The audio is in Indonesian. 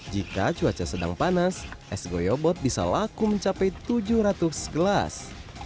jika cuaca sedang panas es goyobot bisa laku mencapai tujuh ratus gelas